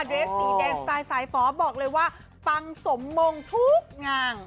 เดรสสีแดงสายสายฝอบอกเลยว่าปังสมมงค์ทุกงาน